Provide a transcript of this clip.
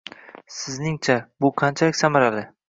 Sizningcha, bu qanchalik samarali?